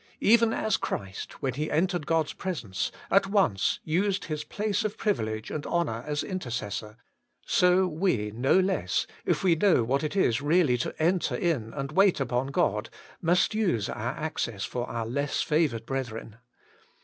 Even as Christ, when He entered God's presence, at once used His place of privilege and honour as in tercessor, so we, no less, if we know what it is really to enter in and wait upon God, must use our access for our less favoured brethren.